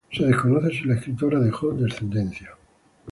Se desconoce si la escritora dejó descendencia.